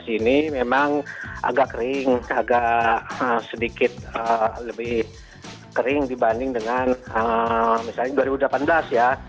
ini memang agak kering agak sedikit lebih kering dibanding dengan misalnya dua ribu delapan belas ya